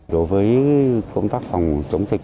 đối với công tác phòng chống dịch